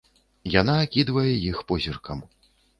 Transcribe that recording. Яна акідвае іх позіркам.